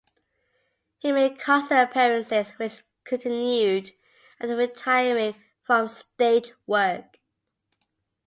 He made concert appearances which continued after retiring from stage work.